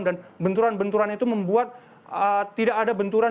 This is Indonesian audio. dan benturan benturan itu membuat tidak ada benturan